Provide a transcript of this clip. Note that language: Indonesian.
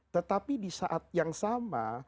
tetapi di saat yang sama